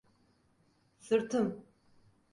Sırtım…